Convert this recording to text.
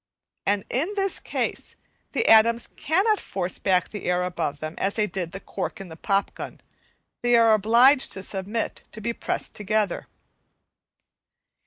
And in this case the atoms cannot force back the air above them as they did the cork in the pop gun; they are obliged to submit to be pressed together.